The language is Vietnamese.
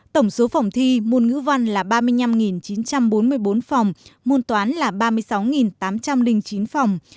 tổng số phòng thi môn ngữ văn là ba mươi năm chín trăm bốn mươi bốn phòng môn toán là ba mươi sáu tám trăm linh chín phòng